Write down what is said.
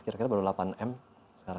kira kira baru delapan m sekarang